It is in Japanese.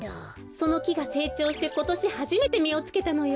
そのきがせいちょうしてことしはじめてみをつけたのよ。